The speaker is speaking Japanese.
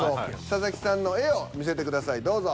佐々木さんの絵を見せてくださいどうぞ。